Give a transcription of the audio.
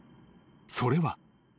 ［それは］